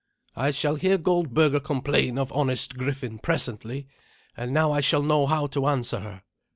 I shall hear Goldberga complain of honest Griffin presently, and now I shall know how to answer her.